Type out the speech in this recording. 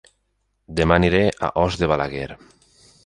Dema aniré a Os de Balaguer